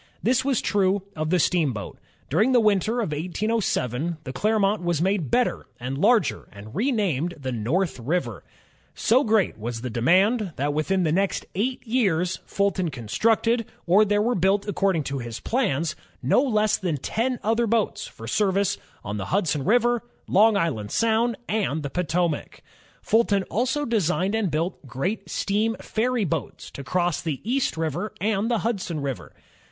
This was true of the steamboat. During the winter, of 1807 the Clermont was made better and larger, and renamed the North River, So great was the demand, that within the next eight years Fulton constructed, or there were built according to his plans, no less than ten other boats for service on the Hudson River, Long Island Sound, and the Po tomac. Fulton also designed and built great steam ferry boats to cross the East River and the Hudson River.